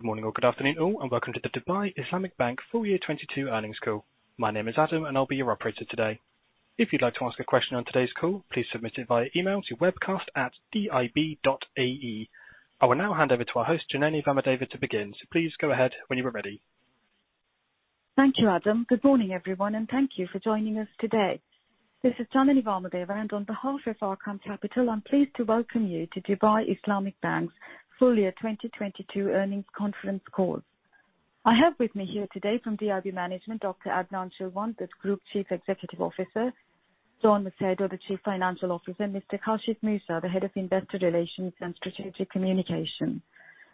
Good morning or good afternoon all, welcome to the Dubai Islamic Bank full year 2022 earnings call. My name is Adam, and I'll be your operator today. If you'd like to ask a question on today's call, please submit it via email to webcast@dib.ae. I will now hand over to our host, Janany Vamadeva, to begin. Please go ahead when you are ready. Thank you, Adam. Good morning, everyone. Thank you for joining us today. This is Janany Vamadeva. On behalf of Arqaam Capital, I'm pleased to welcome you to Dubai Islamic Bank's full year 2022 earnings conference call. I have with me here today from DIB management, Dr. Adnan Chilwan, the Group Chief Executive Officer, John Macedo, the Chief Financial Officer, Mr. Kashif Moosa, the Head of Investor Relations and Strategic Communication.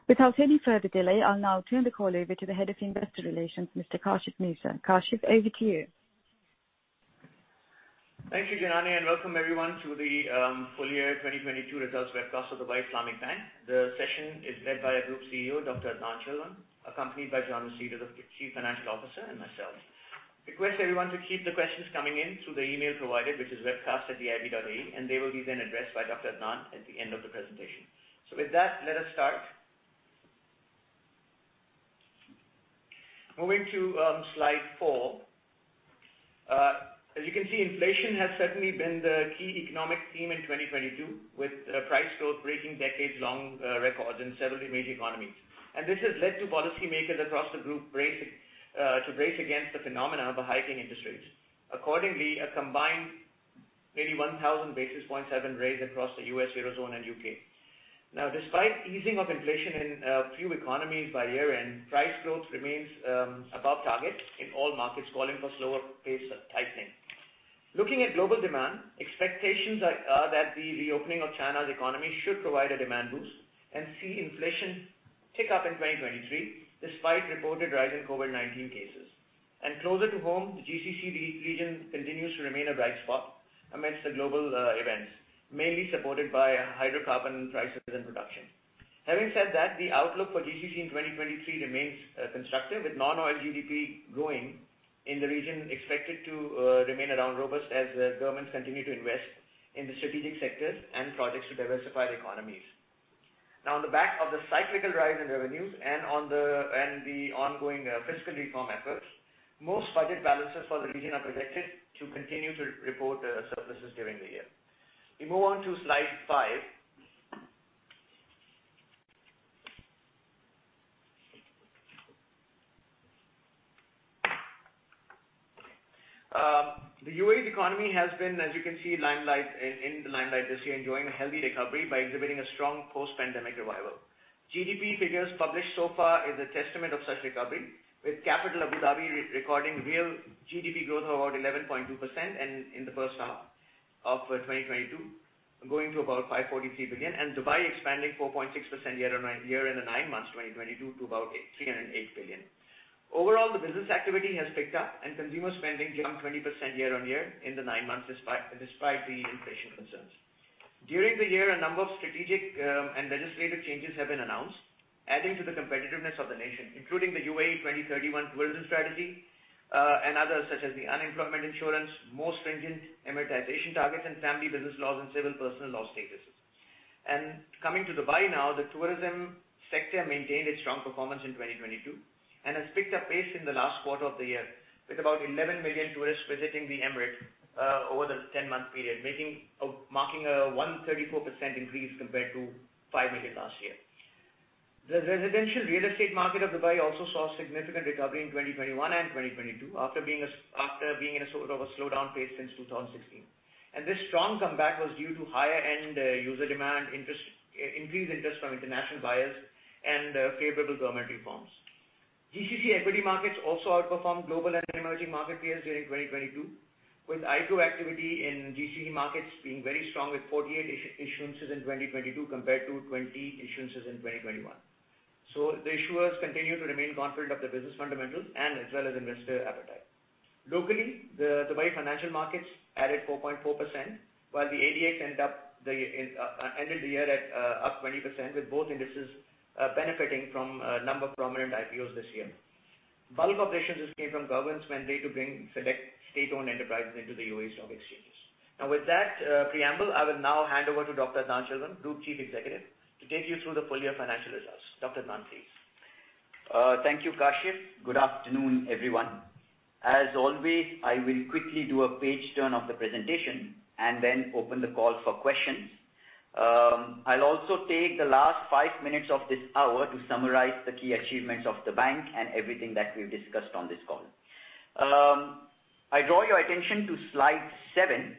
Without any further delay, I'll now turn the call over to the Head of Investor Relations, Mr. Kashif Moosa. Kashif, over to you. Thank you, Janany, welcome everyone to the full year 2022 results webcast of Dubai Islamic Bank. The session is led by our Group CEO, Dr. Adnan Chilwan, accompanied by John Macedo, the Chief Financial Officer, and myself. Request everyone to keep the questions coming in through the email provided, which is webcast@dib.ae, they will be then addressed by Dr. Adnan at the end of the presentation. With that, let us start. Moving to slide 4. As you can see, inflation has certainly been the key economic theme in 2022, with price growth breaking decades long records in several major economies. This has led to policymakers to raise against the phenomena of the hiking interest rates. Accordingly, a combined 81,000 basis points have been raised across the U.S., Eurozone, and U.K. Despite easing of inflation in a few economies by year-end, price growth remains above target in all markets, calling for slower pace of tightening. Looking at global demand, expectations are that the reopening of China's economy should provide a demand boost and see inflation tick up in 2023, despite reported rise in COVID-19 cases. Closer to home, the GCC region continues to remain a bright spot amidst the global events, mainly supported by hydrocarbon prices and production. Having said that, the outlook for GCC in 2023 remains constructive, with non-oil GDP growing in the region expected to remain around robust as governments continue to invest in the strategic sectors and projects to diversify the economies. On the back of the cyclical rise in revenues and the ongoing fiscal reform efforts, most budget balances for the region are projected to continue to report surpluses during the year. We move on to slide five. The UAE economy has been, as you can see, in the limelight this year, enjoying a healthy recovery by exhibiting a strong post-pandemic revival. GDP figures published so far is a testament of such recovery, with capital Abu Dhabi re-recording real GDP growth of about 11.2% and in the first half of 2022, going to about 543 billion, and Dubai expanding 4.6% year-on-year in the 9 months 2022 to about 3.8 billion. Overall, the business activity has picked up and consumer spending jumped 20% year-on-year in the nine months, despite the inflation concerns. During the year, a number of strategic and legislative changes have been announced, adding to the competitiveness of the nation, including the UAE Tourism Strategy 2031, and others such as the Unemployment Insurance, more stringent amortization targets and Family Business Law and Civil Personal Status Law. Coming to Dubai now, the tourism sector maintained its strong performance in 2022 and has picked up pace in the last quarter of the year with about 11 million tourists visiting the Emirate over the 10-month period, marking a 134% increase compared to 5 million last year. The residential real estate market of Dubai also saw significant recovery in 2021 and 2022 after being in a sort of a slowdown phase since 2016. This strong comeback was due to higher end user demand, interest, increased interest from international buyers and favorable government reforms. GCC equity markets also outperformed global and emerging market peers during 2022, with IPO activity in GCC markets being very strong, with 48 issuances in 2022 compared to 20 issuances in 2021. The issuers continue to remain confident of their business fundamentals and as well as investor appetite. Locally, the Dubai Financial Market added 4.4%, while the ADX ended the year up 20%, with both indices benefiting from a number of prominent IPOs this year. Bulk of the issuances came from governments mandate to bring select state-owned enterprises into the UAE stock exchanges. Now, with that preamble, I will now hand over to Dr. Adnan Chilwan, Group Chief Executive, to take you through the full year financial results. Dr. Adnan, please. Thank you, Kashif. Good afternoon, everyone. As always, I will quickly do a page turn of the presentation and then open the call for questions. I'll also take the last 5 minutes of this hour to summarize the key achievements of the bank and everything that we've discussed on this call. I draw your attention to slide 7.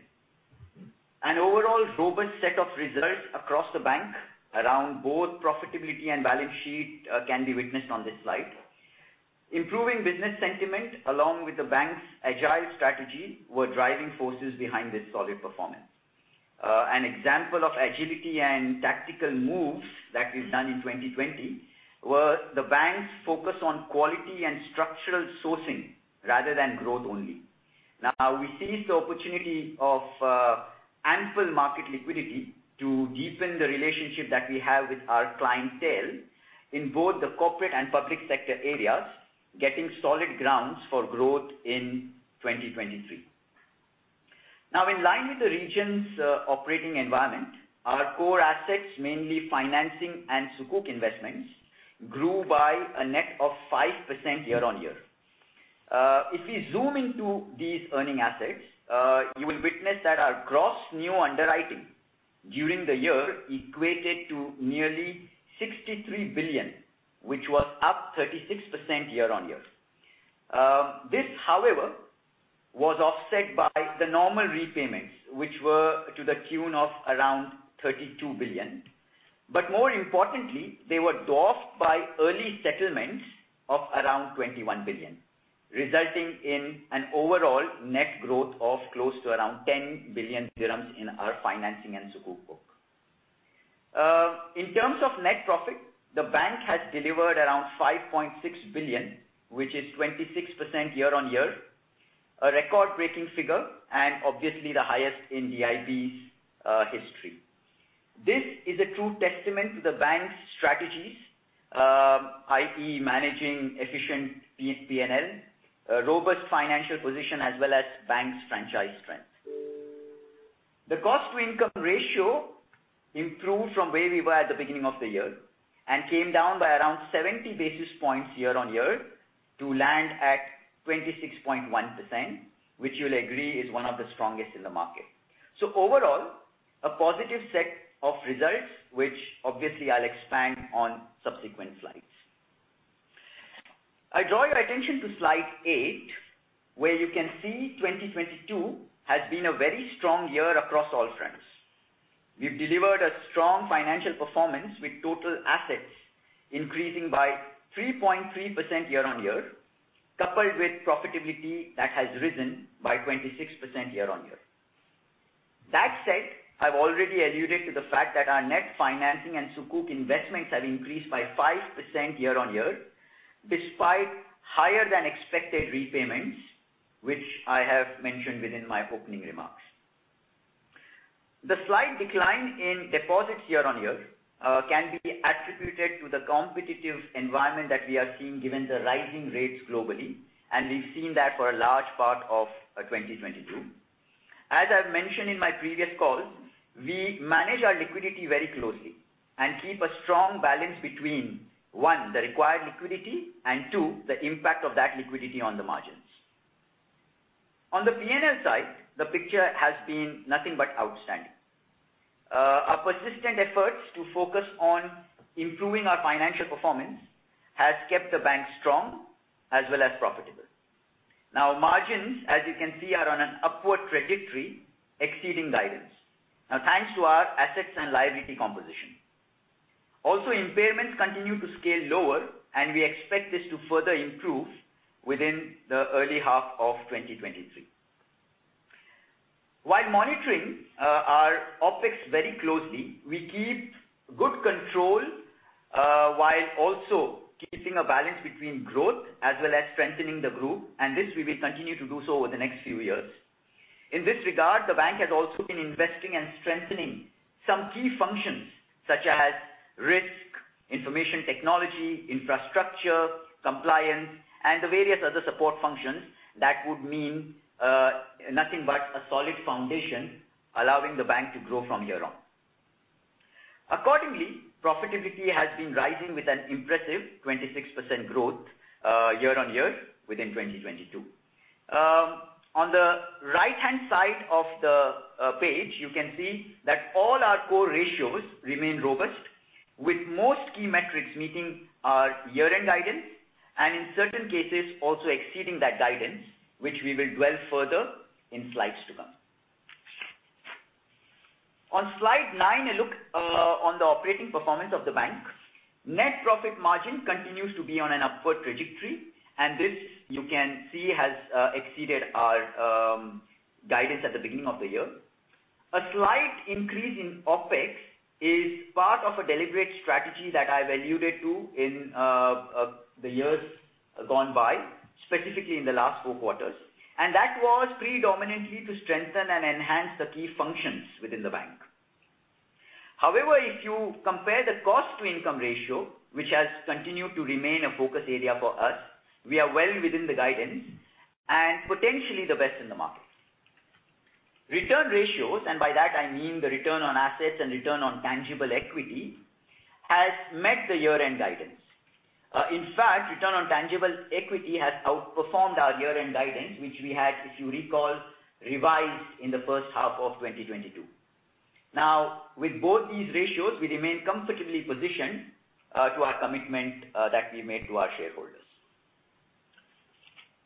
An overall robust set of results across the bank around both profitability and balance sheet can be witnessed on this slide. Improving business sentiment, along with the bank's agile strategy, were driving forces behind this solid performance. An example of agility and tactical moves that we've done in 2020 were the bank's focus on quality and structural sourcing rather than growth only. We seized the opportunity of ample market liquidity to deepen the relationship that we have with our clientele in both the corporate and public sector areas, getting solid grounds for growth in 2023. In line with the region's operating environment, our core assets, mainly financing and Sukuk investments, grew by a net of 5% year-on-year. If we zoom into these earning assets, you will witness that our gross new underwriting during the year equated to nearly 63 billion, which was up 36% year-on-year. This however, was offset by the normal repayments, which were to the tune of around 32 billion. More importantly, they were dwarfed by early settlements of around 21 billion, resulting in an overall net growth of close to around 10 billion dirhams in our financing and Sukuk book. In terms of net profit, the bank has delivered around 5.6 billion, which is 26% year-on-year, a record-breaking figure, and obviously the highest in DIB's history. This is a true testament to the bank's strategies, i.e., managing efficient P&L, a robust financial position, as well as bank's franchise strength. The cost-to-income ratio improved from where we were at the beginning of the year and came down by around 70 basis points year-on-year to land at 26.1%, which you'll agree is one of the strongest in the market. Overall, a positive set of results, which obviously I'll expand on subsequent slides. I draw your attention to slide 8, where you can see 2022 has been a very strong year across all fronts. We've delivered a strong financial performance with total assets increasing by 3.3% year-on-year, coupled with profitability that has risen by 26% year-on-year. That said, I've already alluded to the fact that our net financing and Sukuk investments have increased by 5% year-on-year despite higher than expected repayments, which I have mentioned within my opening remarks. The slight decline in deposits year-on-year, can be attributed to the competitive environment that we are seeing given the rising rates globally, and we've seen that for a large part of 2022. As I've mentioned in my previous calls, we manage our liquidity very closely and keep a strong balance between, one, the required liquidity, and two, the impact of that liquidity on the margins. On the P&L side, the picture has been nothing but outstanding. Our persistent efforts to focus on improving our financial performance has kept the bank strong as well as profitable. Margins, as you can see, are on an upward trajectory exceeding guidance. Thanks to our assets and liability composition. Impairments continue to scale lower, and we expect this to further improve within the early half of 2023. While monitoring our OpEx very closely, we keep good control while also keeping a balance between growth as well as strengthening the group, and this we will continue to do so over the next few years. In this regard, the bank has also been investing and strengthening some key functions such as risk, information technology, infrastructure, compliance and the various other support functions that would mean nothing but a solid foundation, allowing the bank to grow from here on. Accordingly, profitability has been rising with an impressive 26% growth year-on-year within 2022. On the right-hand side of the page, you can see that all our core ratios remain robust, with most key metrics meeting our year-end guidance and in certain cases also exceeding that guidance, which we will dwell further in slides to come. On slide 9, a look on the operating performance of the bank. Net profit margin continues to be on an upward trajectory, and this you can see has exceeded our guidance at the beginning of the year. A slight increase in OpEx is part of a deliberate strategy that I've alluded to in the years gone by, specifically in the last 4 quarters, and that was predominantly to strengthen and enhance the key functions within the bank. However, if you compare the cost-to-income ratio, which has continued to remain a focus area for us, we are well within the guidance and potentially the best in the market. Return ratios, and by that I mean the return on assets and return on tangible equity, has met the year-end guidance. In fact, return on tangible equity has outperformed our year-end guidance, which we had, if you recall, revised in the first half of 2022. With both these ratios, we remain comfortably positioned to our commitment that we made to our shareholders.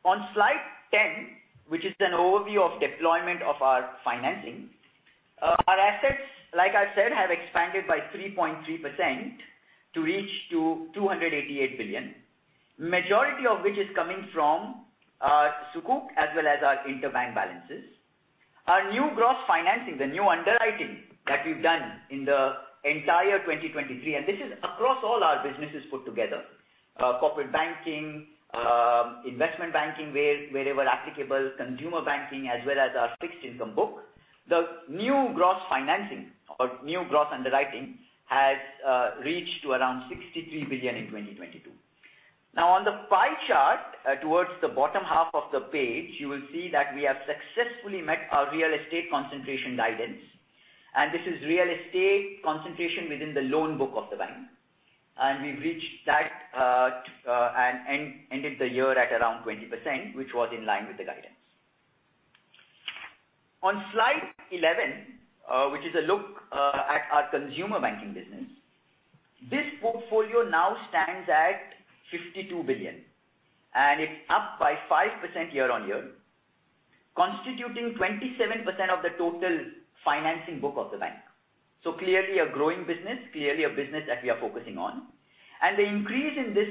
On slide 10, which is an overview of deployment of our financing. Our assets, like I said, have expanded by 3.3% to reach to 288 billion, majority of which is coming from our Sukuk as well as our interbank balances. Our new gross financing, the new underwriting that we've done in the entire 2023, and this is across all our businesses put together, corporate banking, investment banking wherever applicable, consumer banking as well as our fixed income book. The new gross financing or new gross underwriting has reached to around 63 billion in 2022. On the pie chart towards the bottom half of the page, you will see that we have successfully met our real estate concentration guidance. This is real estate concentration within the loan book of the bank. We've reached that and ended the year at around 20%, which was in line with the guidance. On slide 11, which is a look at our consumer banking business. This portfolio now stands at 52 billion, it's up by 5% year-on-year, constituting 27% of the total financing book of the bank. Clearly a growing business, clearly a business that we are focusing on. The increase in this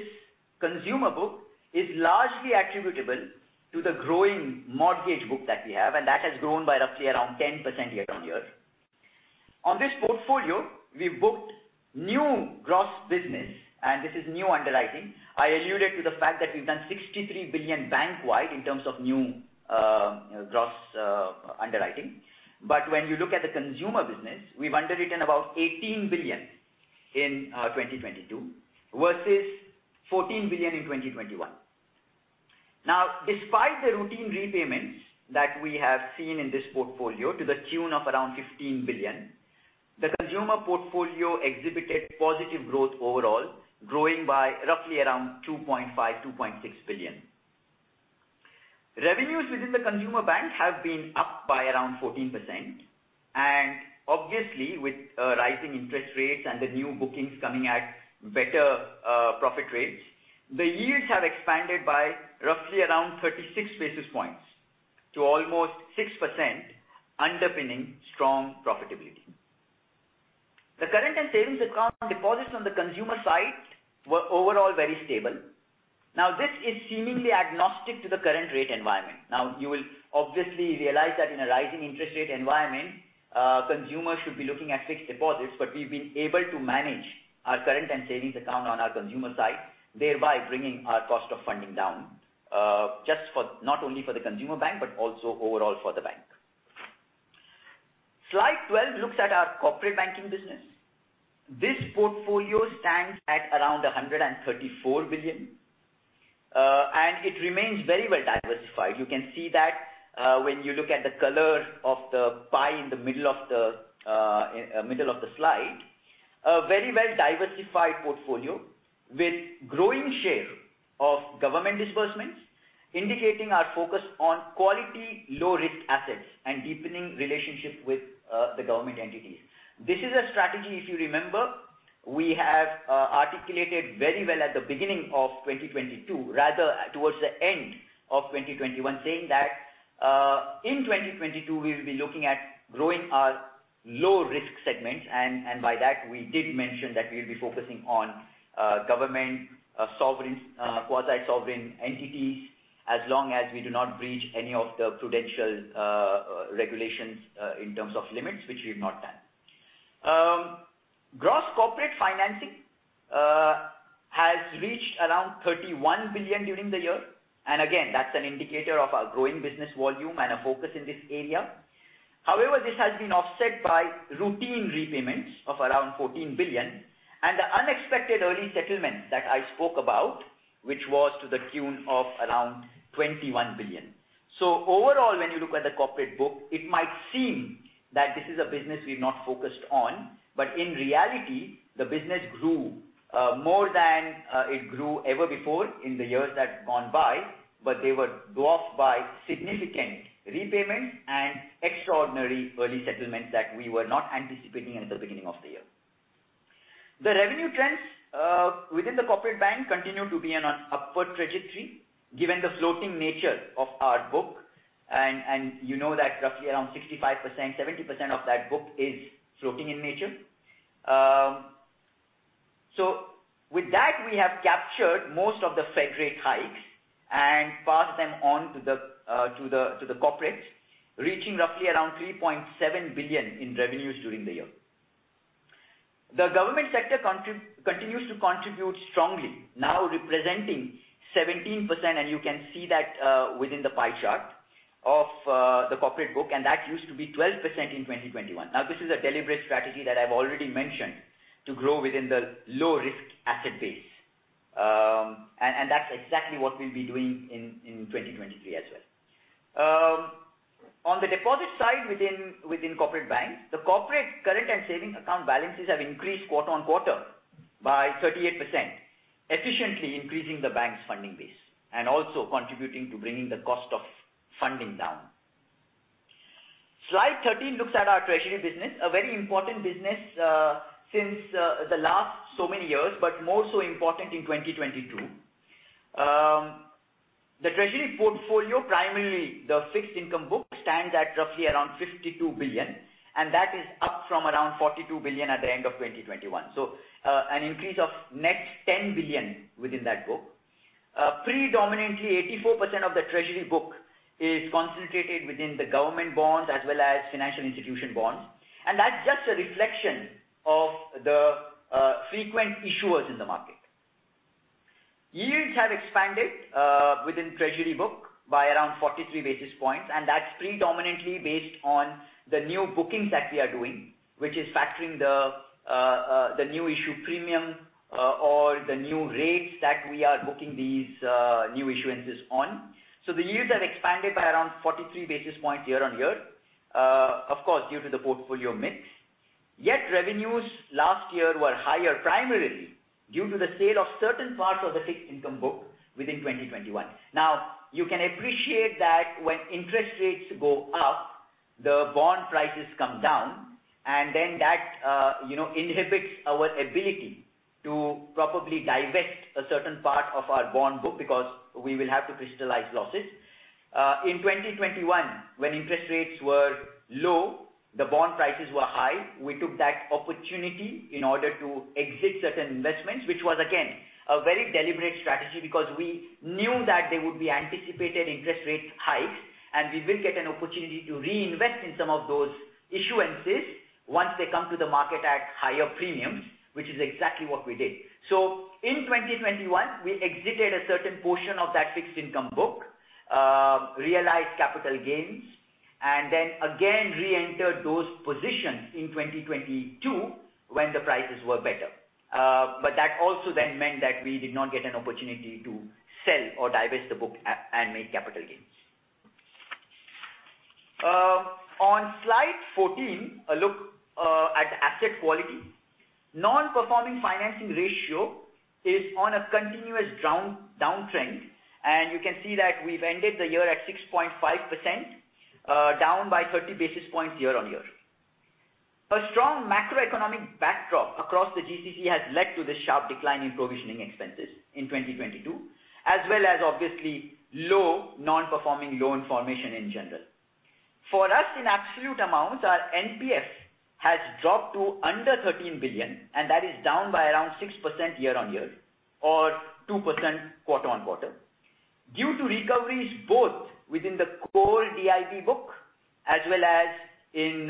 consumer book is largely attributable to the growing mortgage book that we have, and that has grown by roughly around 10% year-on-year. On this portfolio, we booked new gross business, and this is new underwriting. I alluded to the fact that we've done 63 billion bank-wide in terms of new gross underwriting. When you look at the consumer business, we've underwritten about 18 billion in 2022 versus 14 billion in 2021. Despite the routine repayments that we have seen in this portfolio to the tune of around 15 billion, the consumer portfolio exhibited positive growth overall, growing by roughly around 2.5 billion-2.6 billion. Revenues within the consumer bank have been up by around 14%. Obviously, with rising interest rates and the new bookings coming at better profit rates, the yields have expanded by roughly around 36 basis points to almost 6%, underpinning strong profitability. The current and savings account deposits on the consumer side were overall very stable. This is seemingly agnostic to the current rate environment. You will obviously realize that in a rising interest rate environment, consumers should be looking at fixed deposits, but we've been able to manage our current and savings account on our consumer side, thereby bringing our cost of funding down, not only for the consumer bank but also overall for the bank. Slide 12 looks at our corporate banking business. This portfolio stands at around 134 billion. It remains very well diversified. You can see that, when you look at the color of the pie in the middle of the, middle of the slide. A very well-diversified portfolio with growing share of government disbursements, indicating our focus on quality, low-risk assets and deepening relationships with, the government entities. This is a strategy, if you remember, we have articulated very well at the beginning of 2022, rather towards the end of 2021, saying that, in 2022, we will be looking at growing our low-risk segments, and by that, we did mention that we will be focusing on government, sovereign quasi-sovereign entities as long as we do not breach any of the prudential regulations in terms of limits, which we've not done. Gross corporate financing has reached around 31 billion during the year. Again, that's an indicator of our growing business volume and a focus in this area. However, this has been offset by routine repayments of around 14 billion and the unexpected early settlements that I spoke about, which was to the tune of around 21 billion. Overall, when you look at the corporate book, it might seem that this is a business we've not focused on, but in reality, the business grew more than it grew ever before in the years that have gone by, but they were dwarfed by significant repayments and extraordinary early settlements that we were not anticipating at the beginning of the year. The revenue trends within the corporate bank continue to be on an upward trajectory given the floating nature of our book and you know that roughly around 65%-70% of that book is floating in nature. With that, we have captured most of the Fed rate hikes and passed them on to the corporate, reaching roughly around 3.7 billion in revenues during the year. The government sector continues to contribute strongly, now representing 17%, and you can see that within the pie chart of the corporate book, and that used to be 12% in 2021. This is a deliberate strategy that I've already mentioned to grow within the low-risk asset base. That's exactly what we'll be doing in 2023 as well. On the deposit side within corporate banks, the corporate current and savings account balances have increased quarter-on-quarter by 38%, efficiently increasing the bank's funding base and also contributing to bringing the cost of funding down. Slide 13 looks at our treasury business, a very important business since the last so many years, but more so important in 2022. The treasury portfolio, primarily the fixed income book, stands at roughly around 52 billion, and that is up from around 42 billion at the end of 2021. An increase of net 10 billion within that book. Predominantly, 84% of the treasury book is concentrated within the government bonds as well as financial institution bonds. That's just a reflection of the frequent issuers in the market. Yields have expanded within treasury book by around 43 basis points, and that's predominantly based on the new bookings that we are doing, which is factoring the new issue premium, or the new rates that we are booking these new issuances on. The yields have expanded by around 43 basis points year-on-year. Of course, due to the portfolio mix. Yet revenues last year were higher, primarily due to the sale of certain parts of the fixed income book within 2021. You can appreciate that when interest rates go up, the bond prices come down, and then that, you know, inhibits our ability to probably divest a certain part of our bond book because we will have to crystallize losses. In 2021, when interest rates were low, the bond prices were high. We took that opportunity in order to exit certain investments, which was again, a very deliberate strategy because we knew that there would be anticipated interest rates hikes, and we will get an opportunity to reinvest in some of those issuances once they come to the market at higher premiums, which is exactly what we did. In 2021, we exited a certain portion of that fixed income book, realized capital gains, and then again, reentered those positions in 2022 when the prices were better. That also then meant that we did not get an opportunity to sell or divest the book and make capital gains. On slide 14, look at asset quality. Non-performing financing ratio is on a continuous downtrend, and you can see that we've ended the year at 6.5%, down by 30 basis points year on year. A strong macroeconomic backdrop across the GCC has led to this sharp decline in provisioning expenses in 2022, as well as obviously low non-performing loan formation in general. For us, in absolute amounts, our NPF has dropped to under 13 billion, and that is down by around 6% year-on-year or 2% quarter-on-quarter. Due to recoveries both within the core DIB book as well as in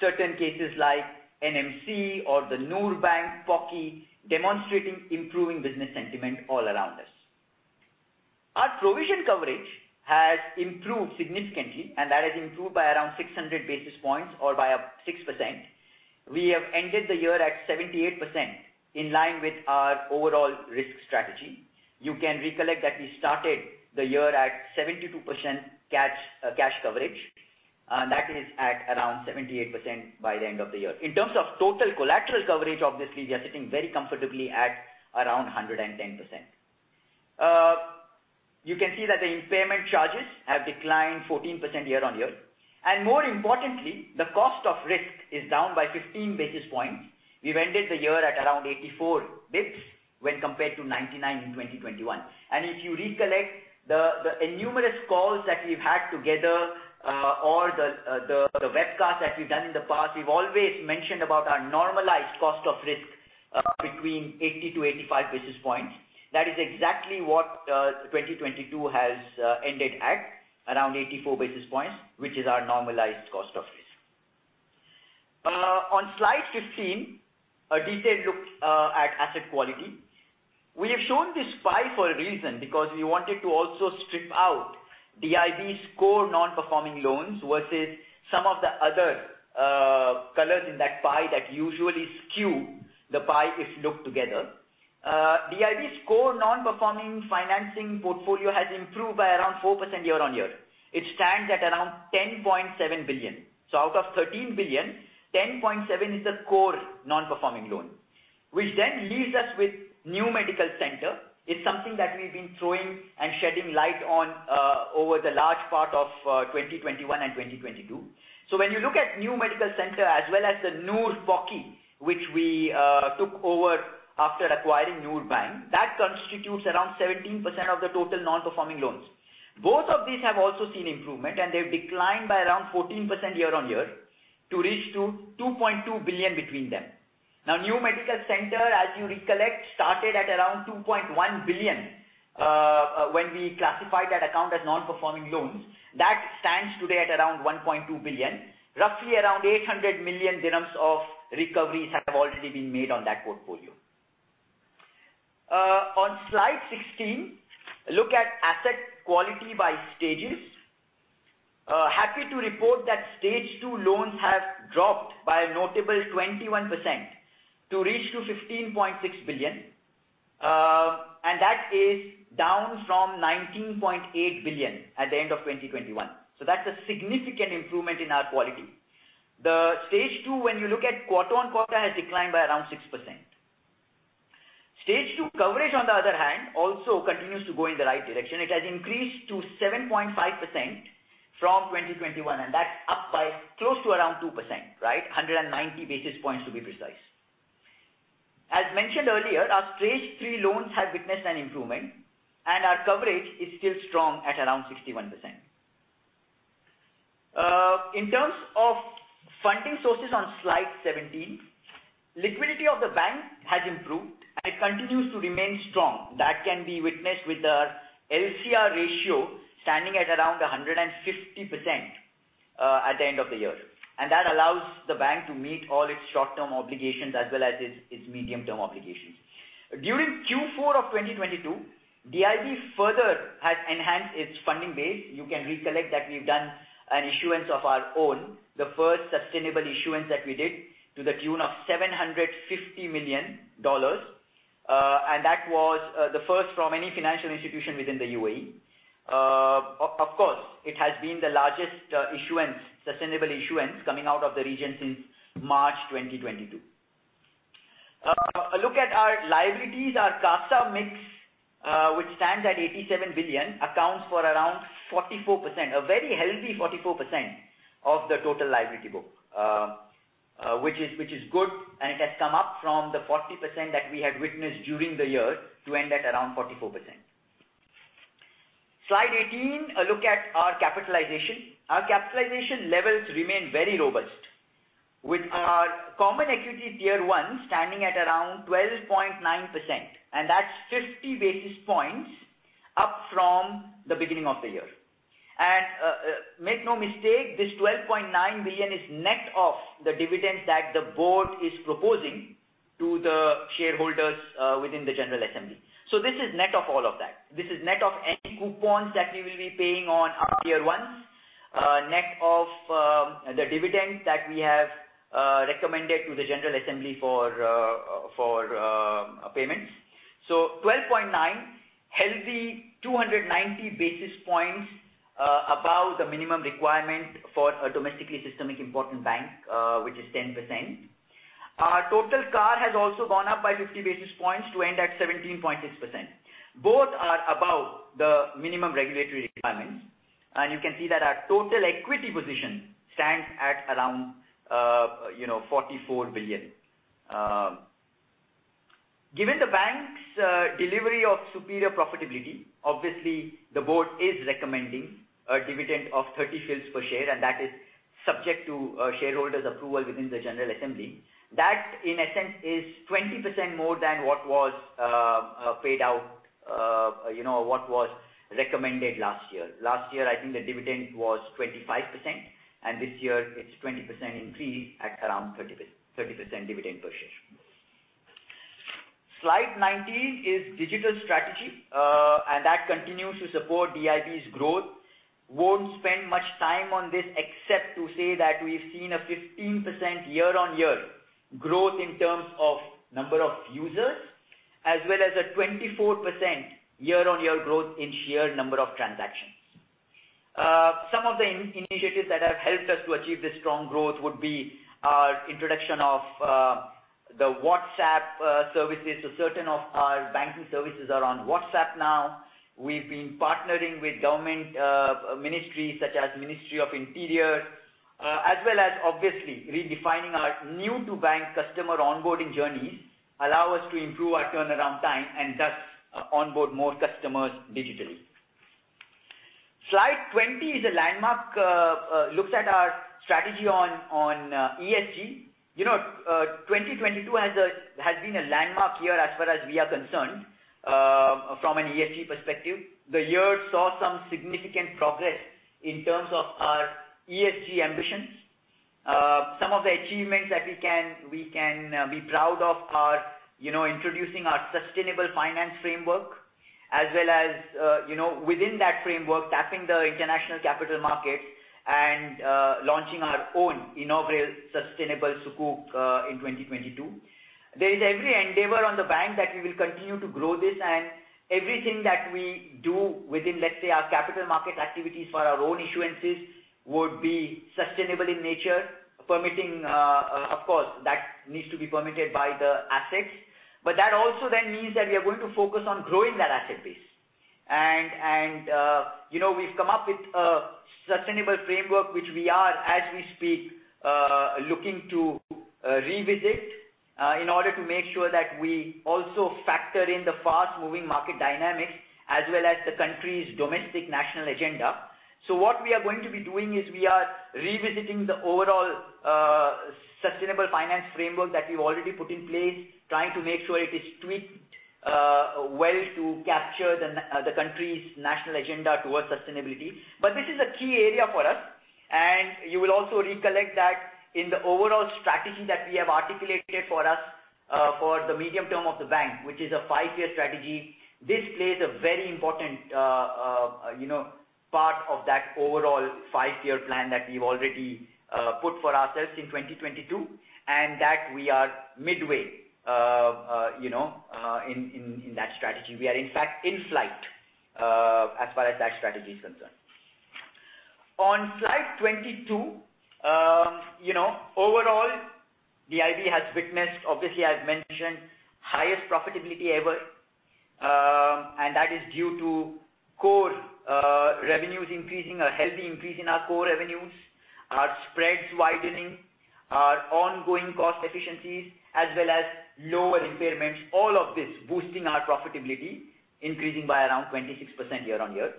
certain cases like NMC or the Noor Bank pocket, demonstrating improving business sentiment all around us. Our provision coverage has improved significantly, and that has improved by around 600 basis points or by up 6%. We have ended the year at 78% in line with our overall risk strategy. You can recollect that we started the year at 72% cash coverage. That is at around 78% by the end of the year. In terms of total collateral coverage, obviously, we are sitting very comfortably at around 110%. You can see that the impairment charges have declined 14% year-on-year. More importantly, the cost of risk is down by 15 basis points. We've ended the year at around 84 bps when compared to 99 in 2021. If you recollect the innumerous calls that we've had together, or the webcasts that we've done in the past, we've always mentioned about our normalized cost of risk, between 80-85 basis points. That is exactly what 2022 has ended at around 84 basis points, which is our normalized cost of risk. On slide 15, a detailed look at asset quality. We have shown this pie for a reason because we wanted to also strip out the ID score non-performing loans versus some of the other colors in that pie that usually skew the pie if looked together. The ID score non-performing financing portfolio has improved by around 4% year-on-year. It stands at around 10.7 billion. Out of 13 billion, 10.7 billion is the core non-performing loan. Which then leaves us with New Medical Centre, is something that we've been throwing and shedding light on over the large part of 2021 and 2022. When you look at New Medical Centre as well as the Noor pocket, which we took over after acquiring Noor Bank, that constitutes around 17% of the total non-performing loans. Both of these have also seen improvement. They've declined by around 14% year-on-year to reach 2.2 billion between them. New Medical Centre, as you recollect, started at around 2.1 billion when we classified that account as non-performing loans. That stands today at around 1.2 billion. Roughly around 800 million dirhams of recoveries have already been made on that portfolio. On slide 16, look at asset quality by stages. Happy to report that Stage 2 loans have dropped by a notable 21% to reach 15.6 billion. That is down from 19.8 billion at the end of 2021. That's a significant improvement in our quality. The Stage 2, when you look at quarter-on-quarter, has declined by around 6%. Stage 2 coverage, on the other hand, also continues to go in the right direction. It has increased to 7.5% from 2021, that's up by close to around 2%, right? 190 basis points to be precise. As mentioned earlier, our Stage 3 loans have witnessed an improvement, our coverage is still strong at around 61%. In terms of funding sources on slide 17, liquidity of the bank has improved and continues to remain strong. That can be witnessed with our LCR ratio standing at around 150% at the end of the year. That allows the bank to meet all its short-term obligations as well as its medium-term obligations. During Q4 of 2022, DIB further has enhanced its funding base. You can recollect that we've done an issuance of our own, the first sustainable issuance that we did to the tune of $750 million. That was the first from any financial institution within the UAE. Of course, it has been the largest sustainable issuance coming out of the region since March 2022. A look at our liabilities. Our CASA mix, which stands at 87 billion, accounts for around 44%. A very healthy 44% of the total liability book, which is good, and it has come up from the 40% that we had witnessed during the year to end at around 44%. Slide 18, a look at our capitalization. Our capitalization levels remain very robust, with our common equity tier one standing at around 12.9%, and that's 50 basis points up from the beginning of the year. Make no mistake, this 12.9 billion is net of the dividends that the board is proposing to the shareholders within the general assembly. This is net of all of that. This is net of any coupons that we will be paying on our tier ones, net of the dividends that we have recommended to the general assembly for payments. 12.9, healthy 290 basis points above the minimum requirement for a Domestic Systemically Important Bank, which is 10%. Our total CAR has also gone up by 50 basis points to end at 17.6%. Both are above the minimum regulatory requirements. You can see that our total equity position stands at around, you know, 44 billion. Given the bank's delivery of superior profitability, obviously the board is recommending a dividend of AED 0.30 per share, and that is subject to shareholders approval within the general assembly. That in essence is 20% more than what was paid out, you know, what was recommended last year. Last year, I think the dividend was 25%, and this year it's 20% increase at around 30% dividend per share. Slide 19 is digital strategy, and that continues to support DIB's growth. Won't spend much time on this except to say that we've seen a 15% year-on-year growth in terms of number of users, as well as a 24% year-on-year growth in sheer number of transactions. Some of the initiatives that have helped us to achieve this strong growth would be our introduction of the WhatsApp services. Certain of our banking services are on WhatsApp now. We've been partnering with government ministries such as Ministry of Interior, as well as obviously redefining our new to bank customer onboarding journeys, allow us to improve our turnaround time and thus onboard more customers digitally. Slide 20 is a landmark. Looks at our strategy on ESG. You know, 2022 has been a landmark year as far as we are concerned, from an ESG perspective. The year saw some significant progress in terms of our ESG ambitions. Some of the achievements that we can be proud of are, you know, introducing our Sustainable Finance Framework as well as, you know, within that framework, tapping the international capital markets and, launching our own inaugural Sustainable Sukuk, in 2022. There is every endeavor on the bank that we will continue to grow this and everything that we do within, let's say, our capital market activities for our own issuances would be sustainable in nature, permitting, of course, that needs to be permitted by the assets. That also then means that we are going to focus on growing that asset base. You know, we've come up with a sustainable framework which we are, as we speak, looking to revisit in order to make sure that we also factor in the fast-moving market dynamics as well as the country's domestic national agenda. What we are going to be doing is we are revisiting the overall Sustainable Finance Framework that we've already put in place, trying to make sure it is tweaked well to capture the country's national agenda towards sustainability. This is a key area for us, and you will also recollect that in the overall strategy that we have articulated for us, for the medium term of the bank, which is a five-year strategy. This plays a very important, you know, part of that overall 5-year plan that we've already put for ourselves in 2022, and that we are midway, you know, in that strategy. We are in fact in-flight as far as that strategy is concerned. On slide 22, you know, overall, DIB has witnessed, obviously, as mentioned, highest profitability ever. That is due to core revenues increasing, a healthy increase in our core revenues. Our spreads widening, our ongoing cost efficiencies as well as lower impairments. All of this boosting our profitability, increasing by around 26% year-on-year.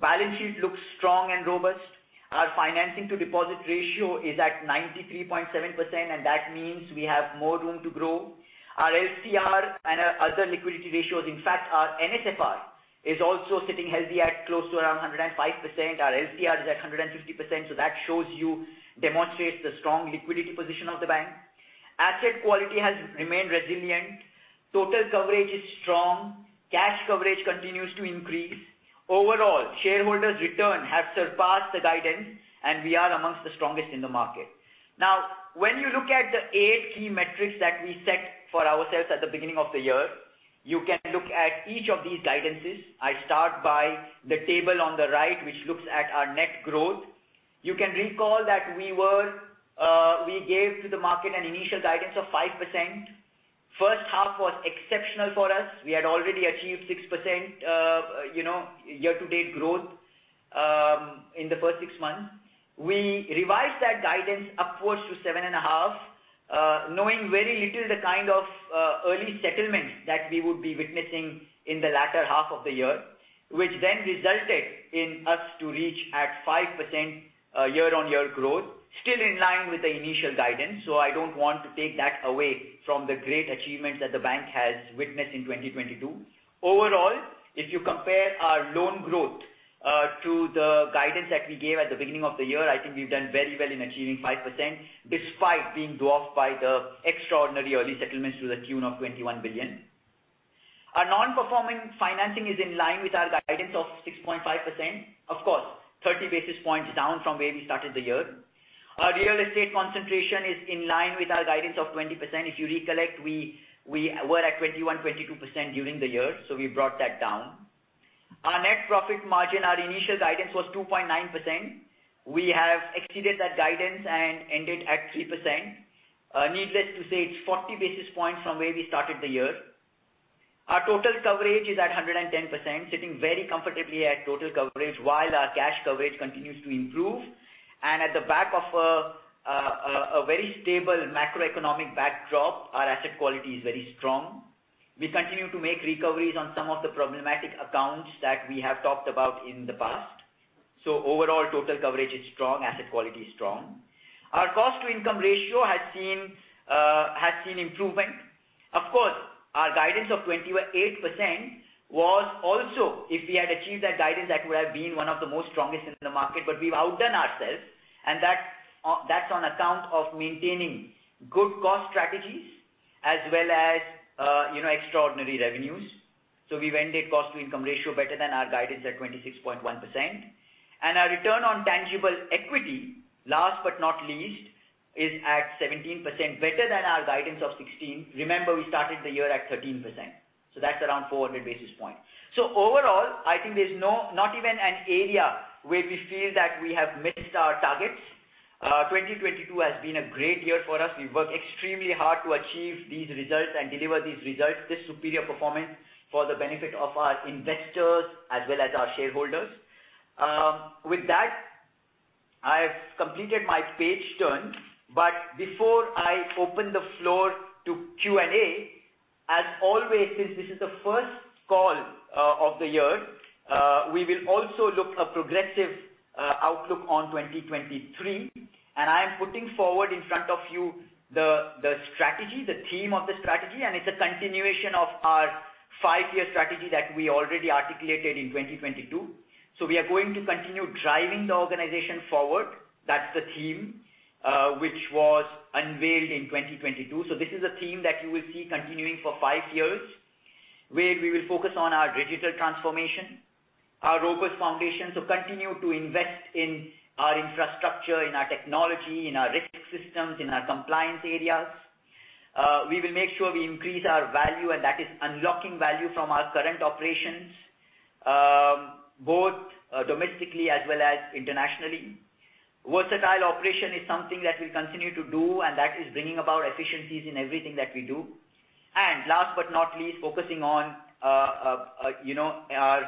Balance sheet looks strong and robust. Our financing to deposit ratio is at 93.7%, and that means we have more room to grow. Our LCR and our other liquidity ratios, in fact, our NSFR is also sitting healthy at close to around 105%. Our LCR is at 150%, that shows you, demonstrates the strong liquidity position of the bank. Asset quality has remained resilient. Total coverage is strong. Cash coverage continues to increase. Overall, shareholders' return has surpassed the guidance, we are amongst the strongest in the market. When you look at the eight key metrics that we set for ourselves at the beginning of the year, you can look at each of these guidances. I start by the table on the right, which looks at our net growth. You can recall that we gave to the market an initial guidance of 5%. First half was exceptional for us. We had already achieved 6%, you know, year-to-date growth, in the first six months. We revised that guidance upwards to 7.5%, knowing very little the kind of, early settlements that we would be witnessing in the latter half of the year, which then resulted in us to reach at 5%, year-on-year growth, still in line with the initial guidance. I don't want to take that away from the great achievements that the bank has witnessed in 2022. Overall, if you compare our loan growth, to the guidance that we gave at the beginning of the year, I think we've done very well in achieving 5%, despite being dwarfed by the extraordinary early settlements to the tune of 21 billion. Our non-performing financing is in line with our guidance of 6.5%. Of course, 30 basis points down from where we started the year. Our real estate concentration is in line with our guidance of 20%. If you recollect, we were at 21%-22% during the year, so we brought that down. Our net profit margin, our initial guidance was 2.9%. We have exceeded that guidance and ended at 3%. Needless to say, it's 40 basis points from where we started the year. Our total coverage is at 110%, sitting very comfortably at total coverage while our cash coverage continues to improve. At the back of a very stable macroeconomic backdrop, our asset quality is very strong. We continue to make recoveries on some of the problematic accounts that we have talked about in the past. Overall, total coverage is strong, asset quality is strong. Our cost-to-income ratio has seen improvement. Of course, our guidance of 28% was also, if we had achieved that guidance, that would have been one of the most strongest in the market. We've outdone ourselves, and that's on account of maintaining good cost strategies as well as, you know, extraordinary revenues. We've ended cost-to-income ratio better than our guidance at 26.1%. Our return on tangible equity, last but not least, is at 17%, better than our guidance of 16%. Remember, we started the year at 13%, so that's around 400 basis points. Overall, I think there's not even an area where we feel that we have missed our targets. 2022 has been a great year for us. We've worked extremely hard to achieve these results and deliver these results, this superior performance, for the benefit of our investors as well as our shareholders. With that, I've completed my page turn. Before I open the floor to Q&A, as always, since this is the first call of the year, we will also look a progressive outlook on 2023. I am putting forward in front of you the strategy, the theme of the strategy, and it's a continuation of our five-year strategy that we already articulated in 2022. We are going to continue driving the organization forward. That's the theme which was unveiled in 2022. This is a theme that you will see continuing for five years, where we will focus on our digital transformation, our robust foundation. Continue to invest in our infrastructure, in our technology, in our risk systems, in our compliance areas. We will make sure we increase our value, and that is unlocking value from our current operations, both domestically as well as internationally. Versatile operation is something that we'll continue to do, and that is bringing about efficiencies in everything that we do. Last but not least, focusing on, you know, our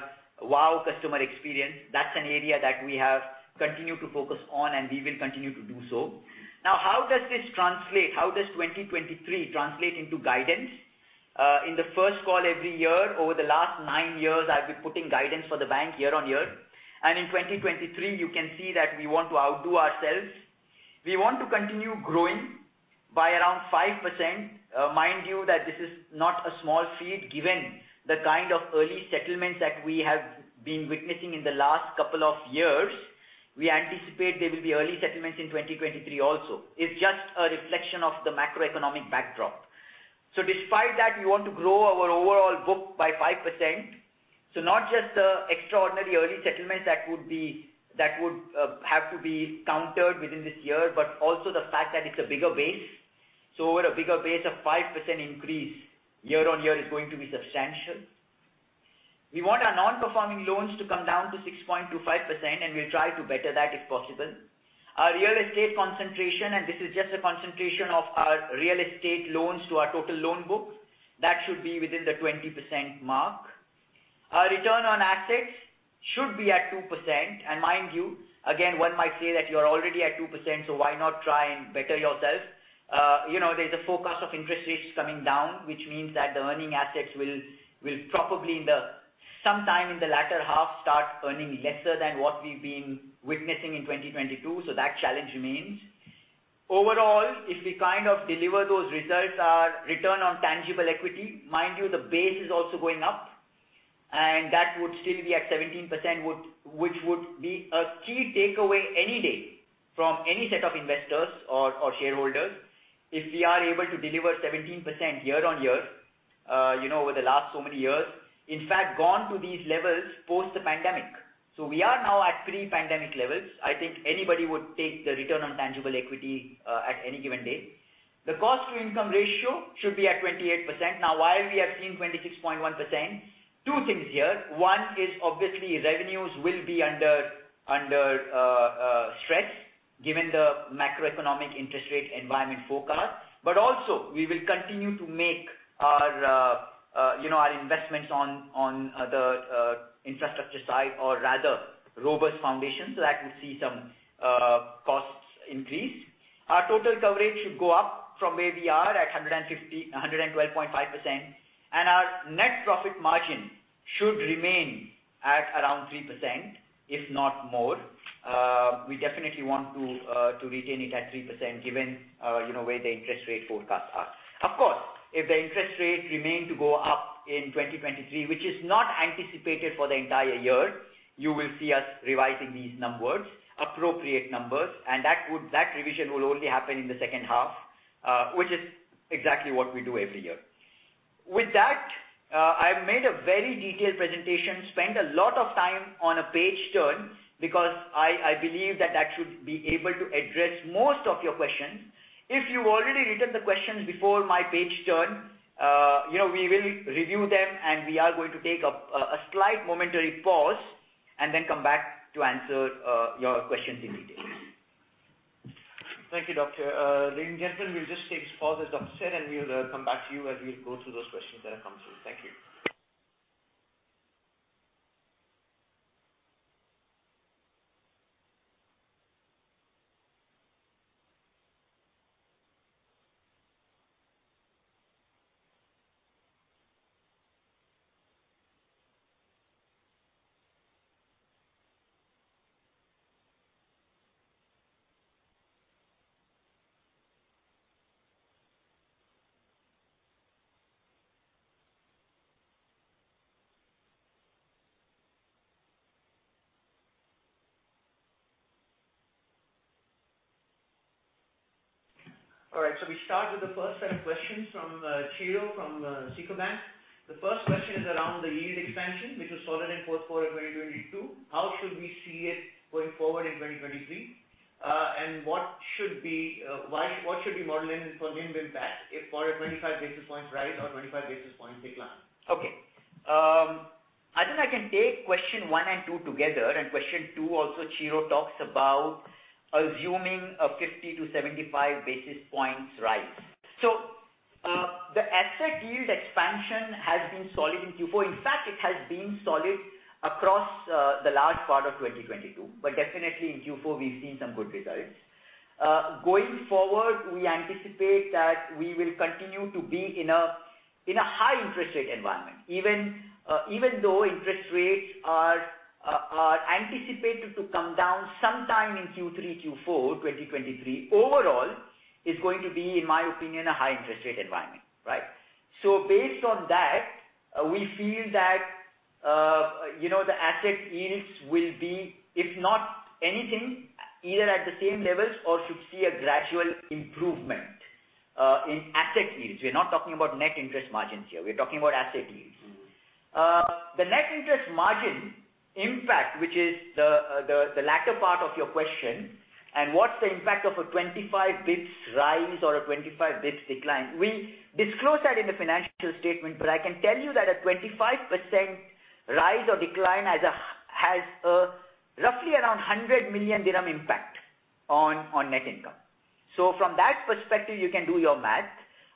wow customer experience. That's an area that we have continued to focus on, and we will continue to do so. How does this translate? How does 2023 translate into guidance? In the first call every year over the last nine years, I've been putting guidance for the bank year on year. In 2023, you can see that we want to outdo ourselves. We want to continue growing by around 5%. Mind you that this is not a small feat given the kind of early settlements that we have been witnessing in the last couple of years. We anticipate there will be early settlements in 2023 also. It's just a reflection of the macroeconomic backdrop. Despite that, we want to grow our overall book by 5%. Not just the extraordinary early settlements that would have to be countered within this year, but also the fact that it's a bigger base. Over a bigger base, a 5% increase year-over-year is going to be substantial. We want our non-performing loans to come down to 6.25%, and we'll try to better that if possible. Our real estate concentration, this is just a concentration of our real estate loans to our total loan book. That should be within the 20% mark. Our return on assets should be at 2%. Mind you, again, one might say that you are already at 2%, so why not try and better yourself? You know, there's a forecast of interest rates coming down, which means that the earning assets will probably sometime in the latter half start earning lesser than what we've been witnessing in 2022. That challenge remains. Overall, if we kind of deliver those results, our return on tangible equity, mind you, the base is also going up, and that would still be at 17% which would be a key takeaway any day from any set of investors or shareholders. If we are able to deliver 17% year-on-year, you know, over the last so many years, in fact, gone to these levels post the pandemic. We are now at pre-pandemic levels. I think anybody would take the return on tangible equity at any given day. The cost-to-income ratio should be at 28%. Why we have seen 26.1%? Two things here. One is obviously revenues will be under stress given the macroeconomic interest rate environment forecast. But also we will continue to make our, you know, our investments on the infrastructure side or rather robust foundation so that we see some costs increase. Our total coverage should go up from where we are at 112.5%, our net profit margin should remain at around 3%, if not more. We definitely want to retain it at 3% given, you know, where the interest rate forecasts are. Of course, if the interest rates remain to go up in 2023, which is not anticipated for the entire year, you will see us revising these numbers, appropriate numbers, that revision will only happen in the second half, which is exactly what we do every year. With that, I've made a very detailed presentation, spent a lot of time on a page turn because I believe that that should be able to address most of your questions. If you've already written the questions before my page turn, you know, we will review them, and we are going to take a slight momentary pause and then come back to answer, your questions in detail. Thank you, doctor. Ladies and gentlemen, we'll just take a pause as doctor said. We'll come back to you as we go through those questions that have come through. Thank you. All right. We start with the first set of questions from Ciro from SICO Bank. The first question is around the yield expansion, which was solid in fourth quarter 2022. How should we see it going forward in 2023? What should we model in for NIM impact if for a 25 basis points rise or 25 basis points decline? Okay. I think I can take question 1 and 2 together. Question 2 also, Ciro talks about assuming a 50-75 basis points rise. The asset yield expansion has been solid in Q4. In fact, it has been solid across the large part of 2022. Definitely in Q4, we've seen some good results. Going forward, we anticipate that we will continue to be in a high interest rate environment. Even though interest rates are anticipated to come down sometime in Q3, Q4 2023. Overall, is going to be, in my opinion, a high interest rate environment, right? Based on that, we feel that, you know, the asset yields will be, if not anything, either at the same levels or should see a gradual improvement in asset yields. We're not talking about net interest margins here. We're talking about asset yields. The net interest margin impact, which is the latter part of your question and what's the impact of a 25 basis points rise or a 25 basis points decline? We disclose that in the financial statement, but I can tell you that a 25% rise or decline has a roughly around 100 million dirham impact on net income. From that perspective, you can do your math.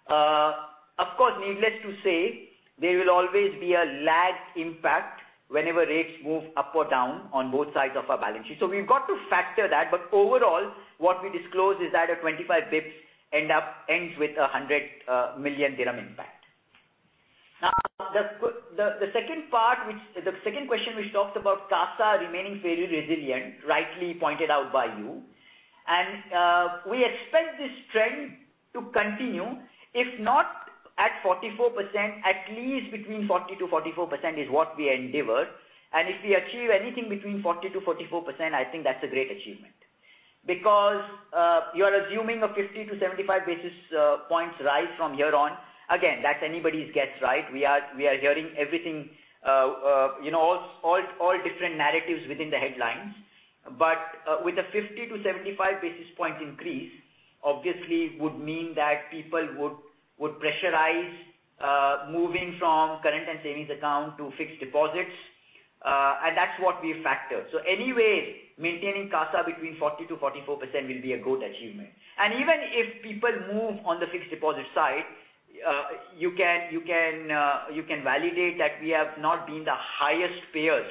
Of course, needless to say, there will always be a lag impact whenever rates move up or down on both sides of our balance sheet. We've got to factor that. Overall, what we disclose is that a 25 basis points ends with a 100 million dirham impact. Now, the second part, the second question, which talks about CASA remaining fairly resilient, rightly pointed out by you. We expect this trend to continue, if not at 44%, at least between 40%-44% is what we endeavor. If we achieve anything between 40%-44%, I think that's a great achievement. Because you are assuming a 50-75 basis points rise from here on. Again, that's anybody's guess, right? We are hearing everything, you know, all different narratives within the headlines. With a 50-75 basis point increase, obviously would mean that people would pressurize moving from current and savings account to fixed deposits. That's what we factor. Anyway, maintaining CASA between 40%-44% will be a good achievement. Even if people move on the fixed deposit side, you can, you can, you can validate that we have not been the highest payers,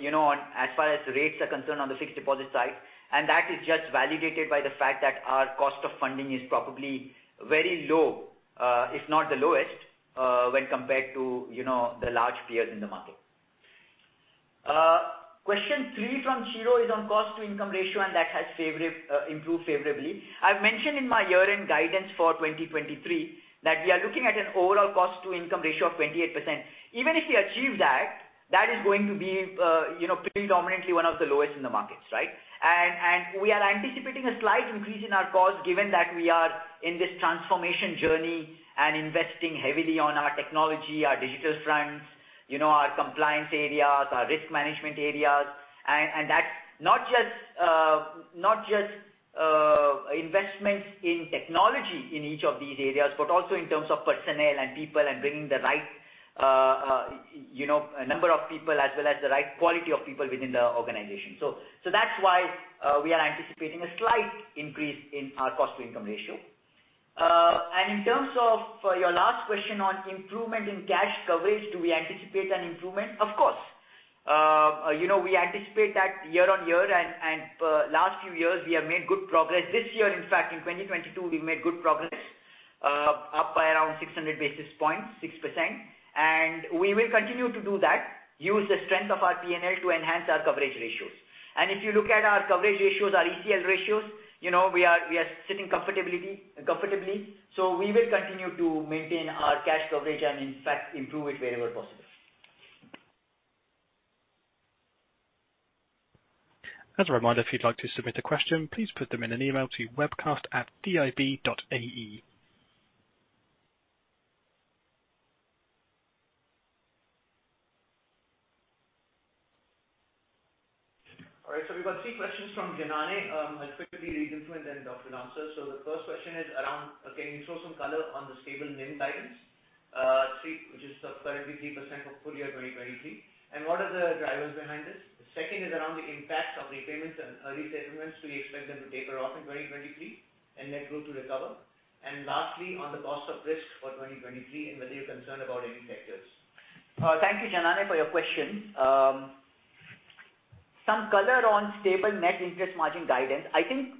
you know, on as far as rates are concerned on the fixed deposit side. That is just validated by the fact that our cost of funding is probably very low, if not the lowest, when compared to, you know, the large peers in the market. Question three from Shiro is on cost-to-income ratio, and that has improved favorably. I've mentioned in my year-end guidance for 2023 that we are looking at an overall cost-to-income ratio of 28%. Even if we achieve that is going to be, you know, predominantly one of the lowest in the markets, right? We are anticipating a slight increase in our cost given that we are in this transformation journey and investing heavily on our technology, our digital fronts, you know, our compliance areas, our risk management areas. That's not just investments in technology in each of these areas, but also in terms of personnel and people and bringing the right, you know, number of people as well as the right quality of people within the organization. That's why, we are anticipating a slight increase in our cost-to-income ratio. In terms of your last question on improvement in cash coverage, do we anticipate an improvement? Of course. You know, we anticipate that year-over-year and, last few years, we have made good progress. This year, in fact, in 2022, we made good progress, up by around 600 basis points, 6%. We will continue to do that. Use the strength of our P&L to enhance our coverage ratios. If you look at our coverage ratios, our ECL ratios, you know, we are sitting comfortably. We will continue to maintain our cash coverage and in fact, improve it wherever possible. As a reminder, if you'd like to submit a question, please put them in an email to webcast@dib.ae. All right, we've got 3 questions from Janany. I'll quickly read them to him, then Dr. answer. The first question is around, can you throw some color on the stable NIM guidance? which is currently 3% for full year 2023. What are the drivers behind this? The 2nd is around the impact of repayments and early settlements. Do you expect them to taper off in 2023 and net growth to recover? Lastly, on the cost of risk for 2023 and whether you're concerned about any sectors. Thank you, Janany, for your question. Some color on stable net interest margin guidance. I think